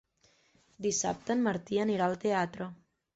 Dissabte en Martí anirà al teatre.